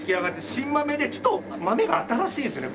新豆でちょっと豆が新しいんですよね。